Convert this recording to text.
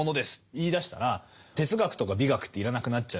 言いだしたら哲学とか美学って要らなくなっちゃう。